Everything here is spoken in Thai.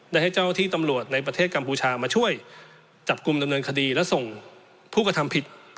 ได้ให้เจ้าที่ตำรวจในประเทศกัมพูชามาช่วยจับกลุ่มดำเนินคดีและส่งผู้กระทำผิด